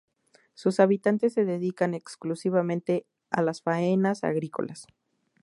Sus habitantes se dedican exclusivamente a las faenas agrícolas.